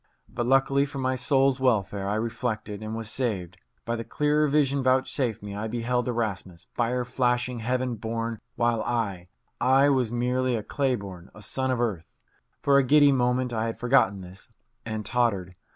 But, luckily for my soul's welfare, I reflected and was saved. By the clearer vision vouchsafed me, I beheld Erasmus, fire flashing, heaven born, while I I was merely a clay born, a son of earth. For a giddy moment I had forgotten this, and tottered.